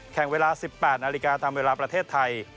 แข่งเวลา๑๘นาฬิกาตามเวลาประเทศไทย